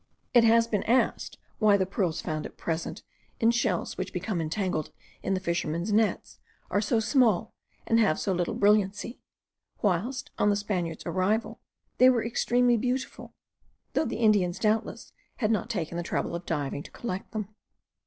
It has been asked, why the pearls found at present in shells which become entangled in the fishermen's nets are so small, and have so little brilliancy,* whilst, on the Spaniards' arrival, they were extremely beautiful, though the Indians doubtless had not taken the trouble of diving to collect them.